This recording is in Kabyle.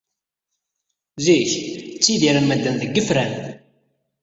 Zik, ttidiren medden deg yifran.